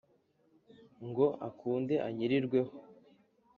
ngo akunde anyirirwe ho ;